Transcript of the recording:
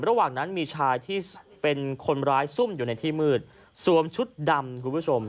ระหว่างนั้นมีชายที่เป็นคนร้ายซุ่มอยู่ในที่มืดสวมชุดดำคุณผู้ชม